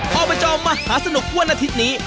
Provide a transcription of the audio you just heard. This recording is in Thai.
อบจมหาสนุกวันอาทิตย์นี้